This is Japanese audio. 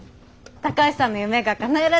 高橋さんの夢がかなえられる。